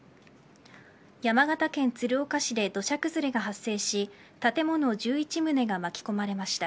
山形県鶴岡市で土砂崩れが発生し建物１１棟が巻き込まれました。